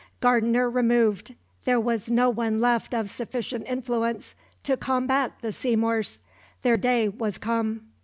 Gardiner removed, there was no one left of sufficient influence to combat the Seymours. Their day was come.